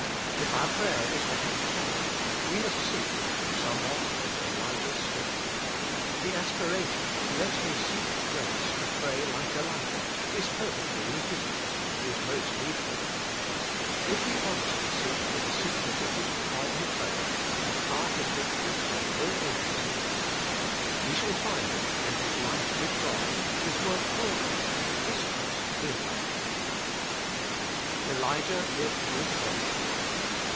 If our Prayer is to have power, we must seek to have somewhat of Elijah^s spirit. The i66 The Intercessor 167 aspiration, Let me seek grace to pray like Elijah, is perfectly legitimate, is most needful. If we honestly seek for the secret of his power in prayer the path in which he trod will open to us. We shall find it in his life with God, his work for God, his trust in God. Elijah Lived with God.